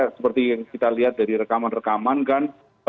seperti yang kita lihat dari rekaman rekaman kan